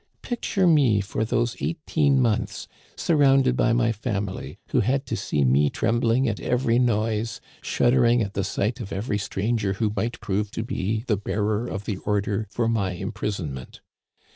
Picture me for those eighteen months, surrounded by my family, who had to see me trembling at every noise, shuddering at the sight of every stranger who might prov^ to be the bearer of the order for my imprisonment.